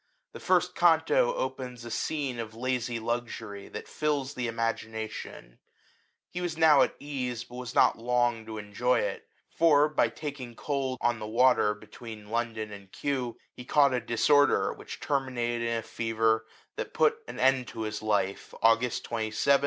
The first canto opens a scene of lazy luxury, that fills the imagin ation* He was now at ease, but was not long to enjoy it ; for, by taking cold on the water be tween London and Kew, he caught a disor^ der, which terminated in a fever that put an end to his life, August 27, 1743.